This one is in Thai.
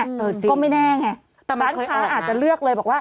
เออจริงก็ไม่แน่ไงต้านค้าอาจจะเลือกเลยบอกว่า